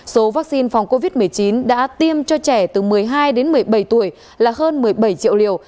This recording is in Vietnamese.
số vaccine phòng covid một mươi chín đã tiêm cho trẻ từ một mươi hai đến một mươi bảy tuổi là hơn một mươi bảy triệu liều